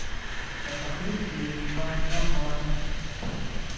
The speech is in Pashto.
په تخریب کې یې باید برخه وانه خلو.